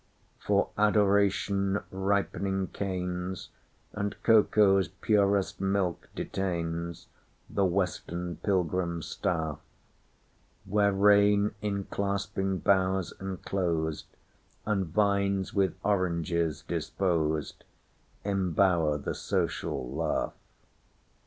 For Adoration ripening canes, And cocoa's purest milk detainsThe western pilgrim's staff; Where rain in clasping boughs enclosed, And vines with oranges disposed, Embower the social laugh.